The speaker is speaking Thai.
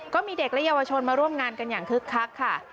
ก็มีเด็กและเยาวชนมาร่วมงานกันอย่างคึกคักค่ะ